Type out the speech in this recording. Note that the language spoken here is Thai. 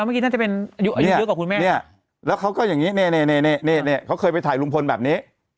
เมื่อกี้น่าจะเป็นอายุเยอะกว่าคุณแม่เนี่ยแล้วเขาก็อย่างนี้นี่เขาเคยไปถ่ายลุงพลแบบนี้